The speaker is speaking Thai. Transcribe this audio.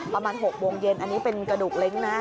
ประมาณ๖โมงเย็นอันนี้เป็นกระดูกเล้งนะ